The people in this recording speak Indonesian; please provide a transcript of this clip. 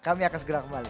kami akan segera kembali